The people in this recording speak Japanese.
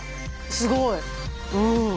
すごい。